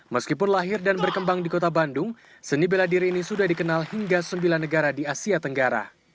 meskipun lahir dan berkembang di kota bandung seni bela diri ini sudah dikenal hingga sembilan negara di asia tenggara